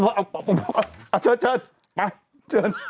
เอากะชอบไปเชิญ